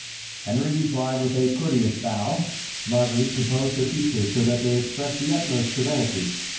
Henry replied with a courteous bow; Marguerite composed her features so that they expressed the utmost serenity.